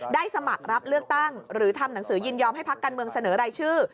สมัครรับเลือกตั้งหรือทำหนังสือยินยอมให้พักการเมืองเสนอรายชื่อ